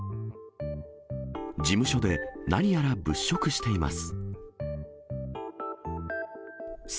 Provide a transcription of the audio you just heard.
事務所で何やら物色しています。